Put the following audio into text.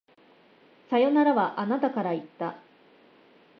さよならは、あなたから言った。